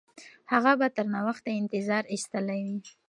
هغه به تر ناوخته انتظار ایستلی وي.